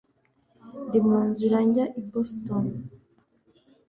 Ndi mu nzira njya i Boston